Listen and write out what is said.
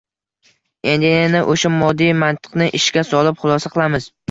Endi yana o‘sha oddiy mantiqni ishga solib xulosa qilamiz